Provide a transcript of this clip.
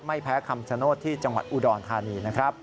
ไม่แพ้คำชโนธที่จังหวัดอุดรธานีนะครับ